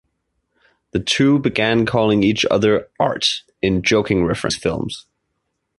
The two began calling each other "Art" in joking reference to these films.